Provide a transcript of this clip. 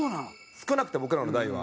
少なくて僕らの代は。